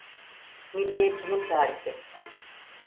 Milliyetçinin tarifi.